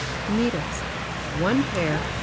Needles: one pair No.